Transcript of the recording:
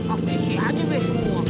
abc aja be semua